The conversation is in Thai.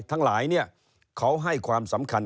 ทั้งหลายเขาให้ความสำคัญ